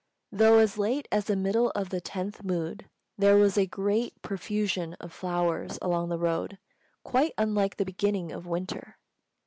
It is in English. Though as late as the middle of the tenth moon, there was a great profusion of flowers along the road, quite unlike the beginning of winter.